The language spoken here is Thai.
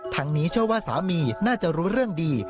นี้เชื่อว่าสามีน่าจะรู้เรื่องดี